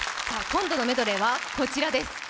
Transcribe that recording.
今度のメドレーはこちらです。